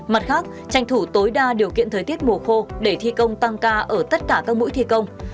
mặt khác tranh thủ tối đa điều kiện thời tiết mùa khô để thi công tăng ca ở tất cả các mũi thi công